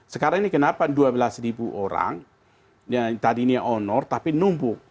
sekarang ini kenapa dua belas orang yang tadinya onor tapi numpuk